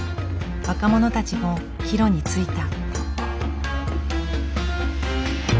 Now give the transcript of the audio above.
若者たちも帰路についた。